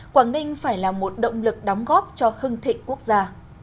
quảng ninh phải là một động lực đóng góp cho hưng thịnh quốc gia